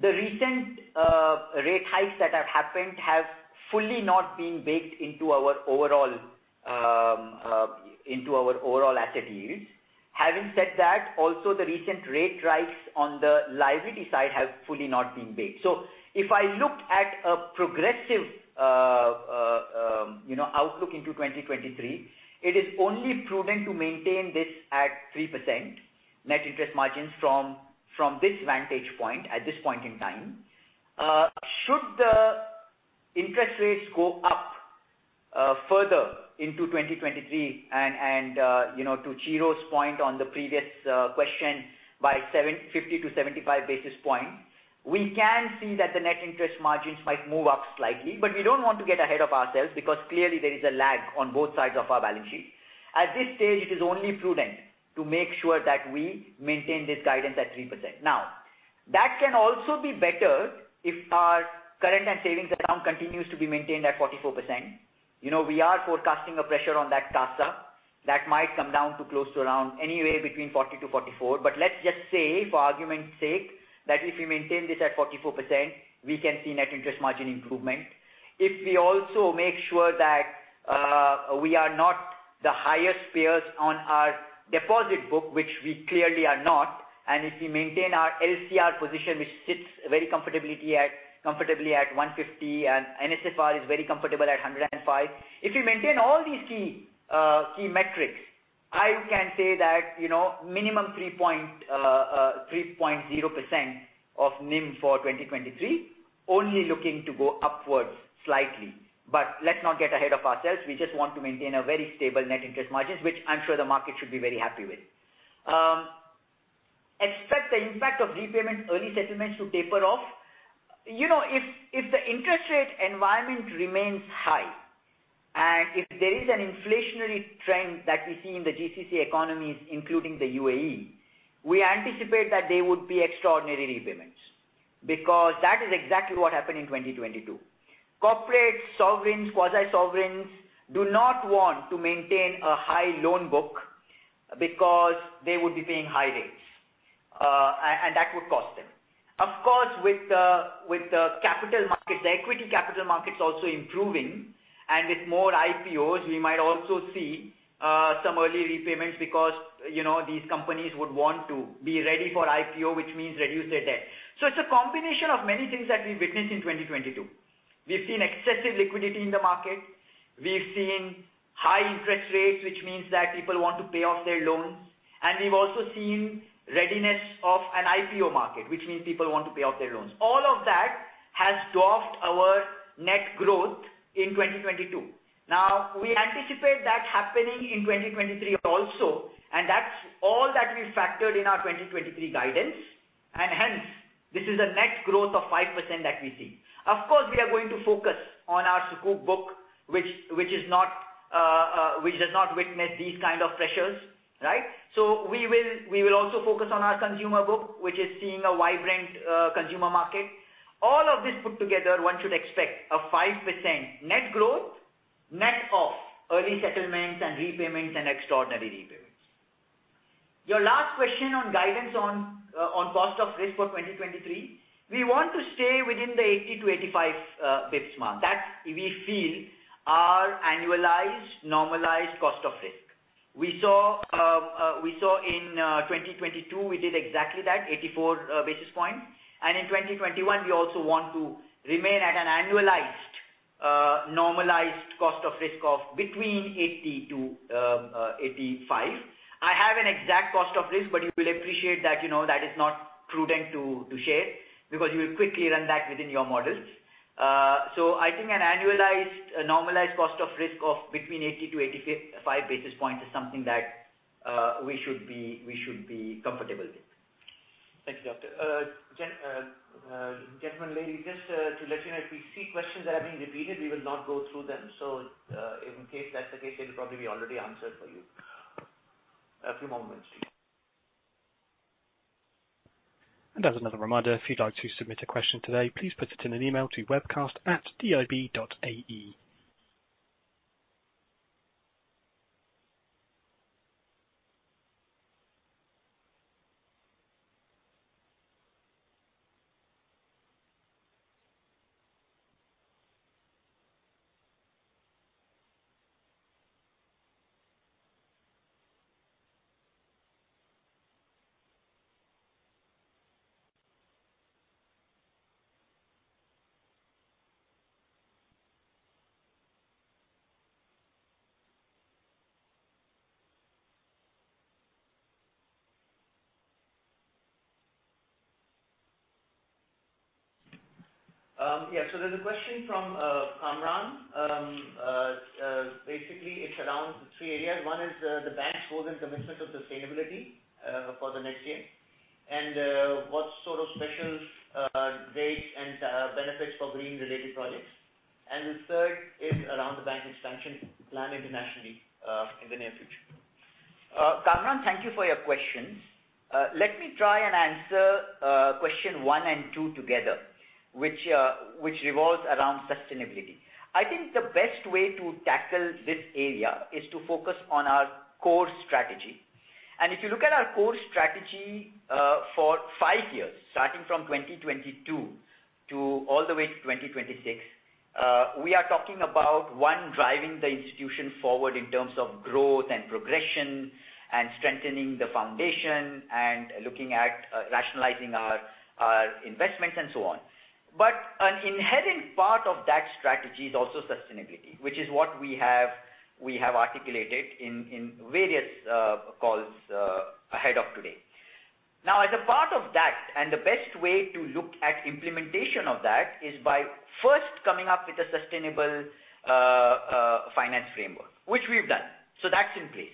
the recent rate hikes that have happened have fully not been baked into our overall asset yields. Having said that, also the recent rate rise on the liability side have fully not been baked. If I looked at a progressive, you know, outlook into 2023, it is only prudent to maintain this at 3% net interest margins from this vantage point at this point in time. Should the interest rates go up further into 2023 and, you know, to Chira's point on the previous question by 50-75 basis points, we can see that the net interest margins might move up slightly. We don't want to get ahead of ourselves because clearly there is a lag on both sides of our balance sheet. At this stage, it is only prudent to make sure that we maintain this guidance at 3%. That can also be better if our current and savings account continues to be maintained at 44%. You know, we are forecasting a pressure on that CASA that might come down to close to around anywhere between 40%-44%. Let's just say for argument's sake that if we maintain this at 44%, we can see net interest margin improvement. If we also make sure that we are not the highest payers on our deposit book, which we clearly are not, and if we maintain our LCR position, which sits very comfortably at 150, and NSFR is very comfortable at 105. If we maintain all these key metrics, I can say that, you know, minimum 3.0% of NIM for 2023 only looking to go upwards slightly. Let's not get ahead of ourselves. We just want to maintain a very stable net interest margins, which I'm sure the market should be very happy with. Expect the impact of repayment, early settlements to taper off. You know, if the interest rate environment remains high and if there is an inflationary trend that we see in the GCC economies, including the UAE, we anticipate that there would be extraordinary repayments because that is exactly what happened in 2022. Corporate sovereigns, quasi-sovereigns do not want to maintain a high loan book because they would be paying high rates, and that would cost them. With the capital markets, the equity capital markets also improving and with more IPOs, we might also see some early repayments because, you know, these companies would want to be ready for IPO, which means reduce their debt. It's a combination of many things that we witnessed in 2022. We've seen excessive liquidity in the market. We've seen high interest rates, which means that people want to pay off their loans. We've also seen readiness of an IPO market, which means people want to pay off their loans. All of that has dwarfed our net growth in 2022. Now, we anticipate that happening in 2023 also, and that's all that we've factored in our 2023 guidance. Hence, this is a net growth of 5% that we see. Of course, we are going to focus on our Sukuk book, which is not which does not witness these kind of pressures, right? We will also focus on our consumer book, which is seeing a vibrant consumer market. All of this put together, one should expect a 5% net growth, net of early settlements and repayments and extraordinary repayments. Your last question on guidance on cost of risk for 2023. We want to stay within the 80-85 basis points mark. That we feel our annualized normalized cost of risk. We saw in 2022, we did exactly that 84 basis points. In 2021, we also want to remain at an annualized normalized cost of risk of between 80 to 85. I have an exact cost of risk, but you will appreciate that, you know, that is not prudent to share because you will quickly run that within your models. So I think an annualized normalized cost of risk of between 80 to 85 basis points is something that we should be comfortable with. Thank you, doctor. Gentlemen, ladies, just to let you know, if we see questions that are being repeated, we will not go through them. In case that's the case, it'll probably be already answered for you. A few more moments please. As another reminder, if you'd like to submit a question today, please put it in an email to webcast@dib.ae. Yeah. There's a question from Kamran. Basically it's around three areas. One is the bank's goals and commitments of sustainability for the next year. What sort of specials, rates and benefits for green related projects. The third is around the bank expansion plan internationally in the near future. Kamran, thank you for your questions. Let me try and answer question 1 and 2 together, which revolves around sustainability. I think the best way to tackle this area is to focus on our core strategy. If you look at our core strategy, for 5 years, starting from 2022 to all the way to 2026, we are talking about 1, driving the institution forward in terms of growth and progression and strengthening the foundation and looking at rationalizing our investments and so on. An inherent part of that strategy is also sustainability, which is what we have articulated in various calls ahead of today. Now, as a part of that, and the best way to look at implementation of that is by first coming up with a sustainable finance framework, which we've done. That's in place.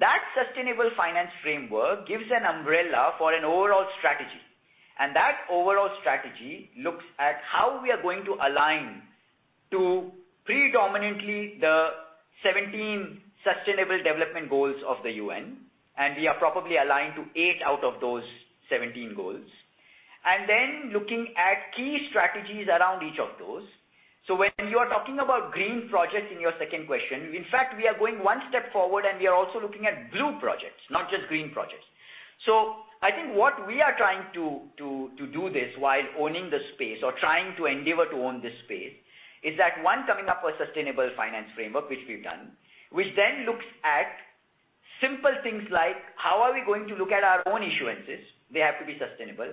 That sustainable finance framework gives an umbrella for an overall strategy. That overall strategy looks at how we are going to align to predominantly the 17 Sustainable Development Goals of the UN, and we are properly aligned to 8 out of those 17 goals. Then looking at key strategies around each of those. When you are talking about green projects in your second question, in fact, we are going 1 step forward, and we are also looking at blue projects, not just green projects. I think what we are trying to do this while owning the space or trying to endeavor to own this space, is that one, coming up with Sustainable Finance Framework, which we've done, which then looks at simple things like how are we going to look at our own issuances? They have to be sustainable.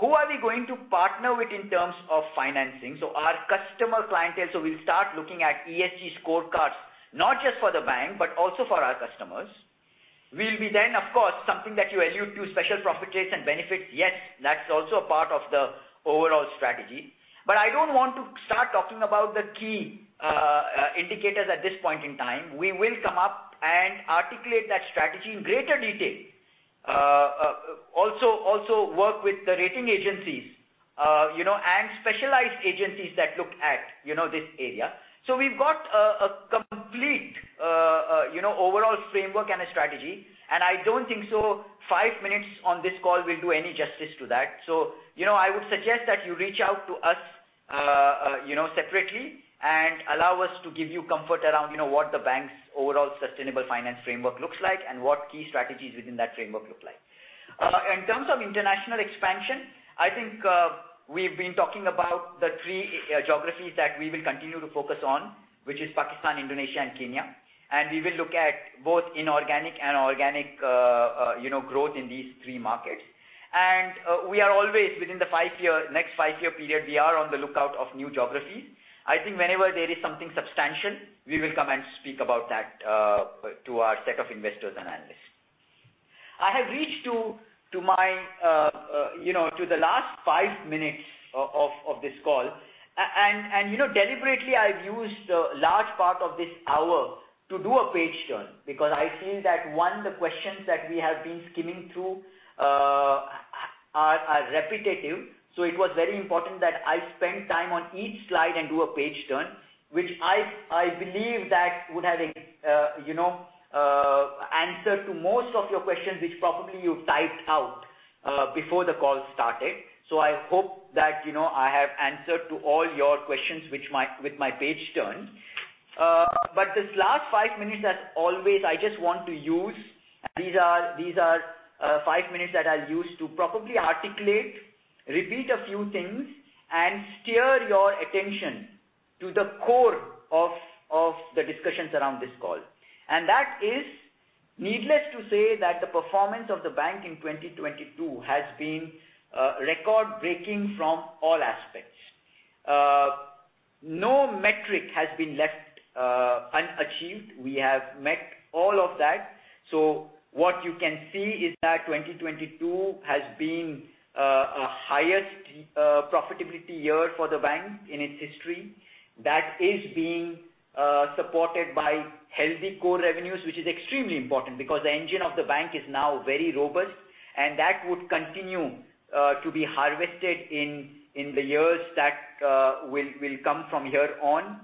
Who are we going to partner with in terms of financing? Our customer clientele. We'll start looking at ESG scorecards, not just for the bank, but also for our customers. We'll be then, of course, something that you allude to special profit rates and benefits. Yes. That's also a part of the overall strategy. I don't want to start talking about the key indicators at this point in time. We will come up and articulate that strategy in greater detail. te overall framework and a strategy, and I don't think 5 minutes on this call will do any justice to that. So, I would suggest that you reach out to us separately and allow us to give you comfort around what the bank's overall Sustainable Finance Framework looks like and what key strategies within that framework look like. In terms of international expansion, I think we've been talking about the three geographies that we will continue to focus on, which is Pakistan, Indonesia, and Kenya. And we will look at both inorganic and organic growth in these three markets. We are always within the 5-year, next 5-year period, we are on the lookout of new geographies. I think whenever there is something substantial, we will come and speak about that to our set of investors and analysts. I have reached to my, you know, to the last 5 minutes of this call. You know, deliberately, I've used a large part of this hour to do a page turn because I feel that, one, the questions that we have been skimming through are repetitive. It was very important that I spend time on each slide and do a page turn, which I believe that would have, you know, answered to most of your questions, which probably you typed out before the call started. I hope that, you know, I have answered to all your questions with my page turns. This last 5 minutes, as always, I just want to use. These are 5 minutes that I'll use to properly articulate, repeat a few things, and steer your attention to the core of the discussions around this call. That is needless to say that the performance of the bank in 2022 has been record-breaking from all aspects. No metric has been left unachieved. We have met all of that. What you can see is that 2022 has been a highest profitability year for the bank in its history. That is being supported by healthy core revenues, which is extremely important because the engine of the bank is now very robust, and that would continue to be harvested in the years that will come from here on.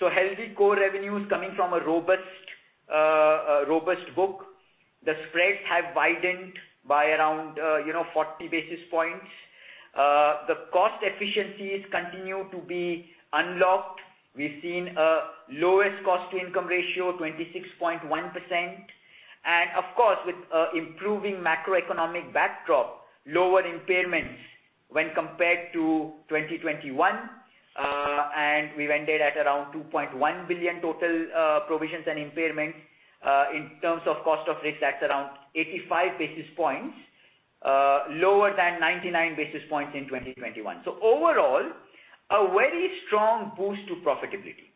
Healthy core revenues coming from a robust book. The spreads have widened by around, you know, 40 basis points. The cost efficiencies continue to be unlocked. We've seen a lowest cost-to-income ratio, 26.1%. Of course, with improving macroeconomic backdrop, lower impairments when compared to 2021, and we've ended at around 2.1 billion total provisions and impairments. In terms of cost of risk, that's around 85 basis points lower than 99 basis points in 2021. Overall, a very strong boost to profitability.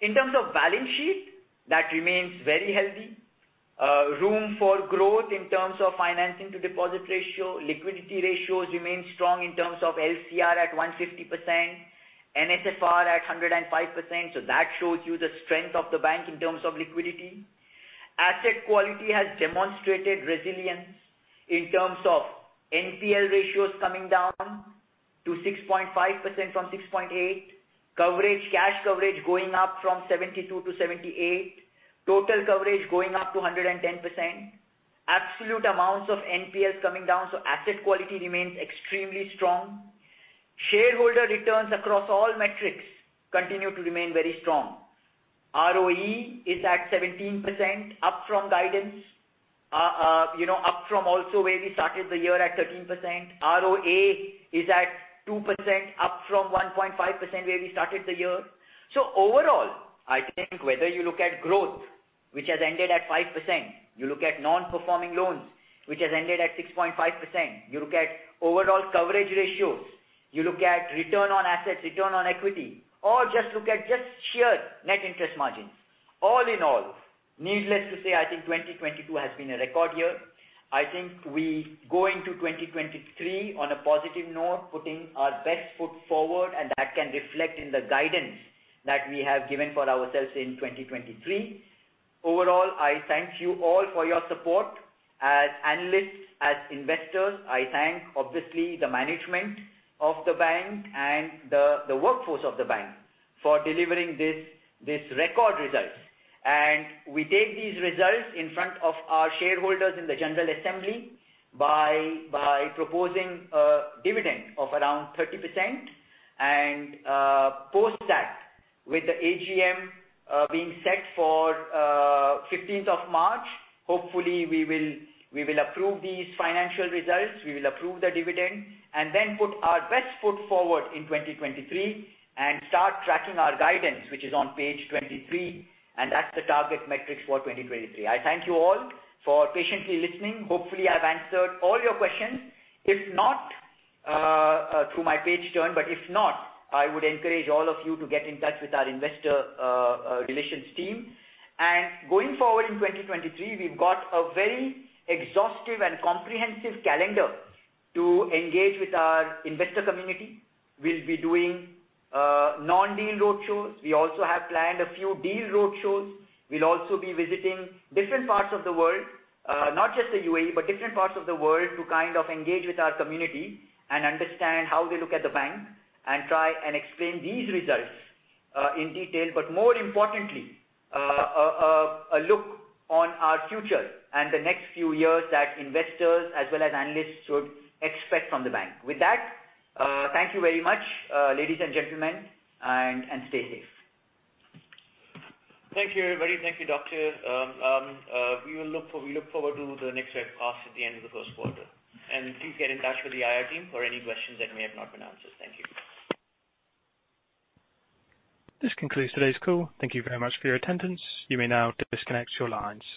In terms of balance sheet, that remains very healthy. Room for growth in terms of financing to deposit ratio. Liquidity ratios remain strong in terms of LCR at 150%, NSFR at 105%. That shows you the strength of the bank in terms of liquidity. Asset quality has demonstrated resilience in terms of NPL ratios coming down to 6.5% from 6.8%. Coverage, cash coverage going up from 72% to 78%. Total coverage going up to 110%. Absolute amounts of NPLs coming down. Asset quality remains extremely strong. Shareholder returns across all metrics continue to remain very strong. ROE is at 17%, up from guidance, you know, up from also where we started the year at 13%. ROA is at 2%, up from 1.5% where we started the year. Overall, I think whether you look at growth, which has ended at 5%, you look at NPL, which has ended at 6.5%, you look at overall coverage ratios, you look at ROA, ROE, or just look at just sheer NIM. All in all, needless to say, I think 2022 has been a record year. I think we go into 2023 on a positive note, putting our best foot forward, and that can reflect in the guidance that we have given for ourselves in 2023. Overall, I thank you all for your support as analysts, as investors. I thank, obviously, the management of the bank and the workforce of the bank for delivering this record results. We take these results in front of our shareholders in the general assembly by proposing a dividend of around 30%. Post that with the AGM being set for 15th of March. Hopefully, we will approve these financial results, we will approve the dividend, and then put our best foot forward in 2023 and start tracking our guidance, which is on page 23, and that's the target metrics for 2023. I thank you all for patiently listening. Hopefully, I've answered all your questions. If not, through my page turn, but if not, I would encourage all of you to get in touch with our investor relations team. Going forward in 2023, we've got a very exhaustive and comprehensive calendar to engage with our investor community. We'll be doing non-deal roadshows. We also have planned a few deal roadshows. We'll also be visiting different parts of the world, not just the UAE, but different parts of the world to kind of engage with our community and understand how they look at the bank and try and explain these results in detail. More importantly, a look on our future and the next few years that investors as well as analysts should expect from the bank. Thank you very much, ladies and gentlemen, and stay safe. Thank you, everybody. Thank you, doctor. We look forward to the next webcast at the end of the first quarter. Please get in touch with the IR team for any questions that may have not been answered. Thank you. This concludes today's call. Thank you very much for your attendance. You may now disconnect your lines.